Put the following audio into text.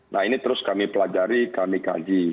nah ini terus kami pelajari kami kaji